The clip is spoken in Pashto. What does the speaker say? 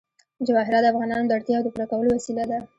جواهرات د افغانانو د اړتیاوو د پوره کولو وسیله ده.